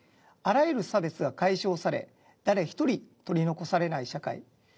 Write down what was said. あらゆる差別が解消され誰一人取り残されない社会。